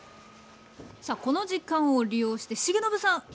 さあこの時間を利用して重信さん。